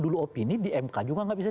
dulu opini di mk juga nggak bisa